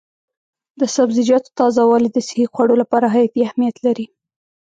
د سبزیجاتو تازه والي د صحي خوړو لپاره حیاتي اهمیت لري.